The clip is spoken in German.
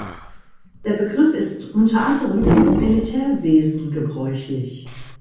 Der Begriff ist unter anderem im Militärwesen gebräuchlich.